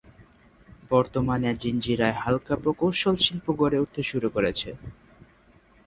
বর্তমানে জিঞ্জিরায় হালকা প্রকৌশল শিল্প গড়ে উঠতে শুরু করেছে।